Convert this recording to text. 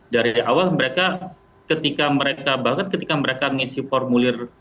dari awal mereka ketika mereka bahkan ketika mereka ngisi formulir